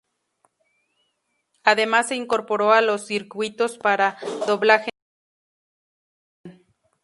Además se incorporó a los circuitos para doblaje en cine y series de televisión.